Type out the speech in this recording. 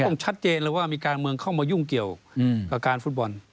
คงชัดเจนเลยว่ามีการเมืองเข้ามายุ่งเกี่ยวกับการฟุตบอล